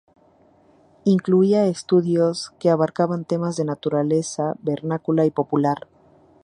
Incluía estudios que abarcaban temas de naturaleza vernácula y popular.